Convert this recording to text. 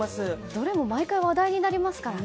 どれも毎回話題になりますからね。